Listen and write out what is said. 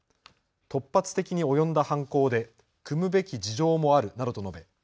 突発的に及んだ犯行で酌むべき事情もあるなどと述べ